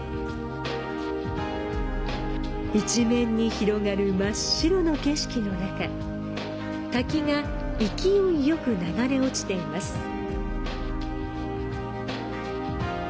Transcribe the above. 一面に広がる真っ白の景色のなか、滝が勢いよく流れ落ちています。